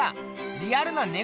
リアルなね